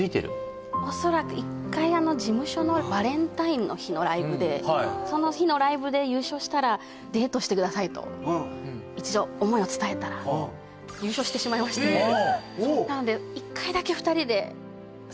恐らく１回事務所のバレンタインの日のライブでその日のライブで優勝したらと一度思いを伝えたら優勝してしまいましてなのでえ！